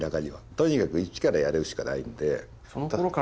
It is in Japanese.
とにかく一からやるしかないんで。